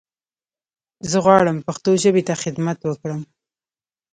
زه غواړم پښتو ژبې ته خدمت وکړم.